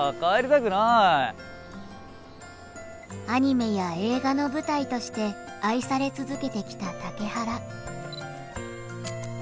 アニメや映画の舞台として愛され続けてきた竹原。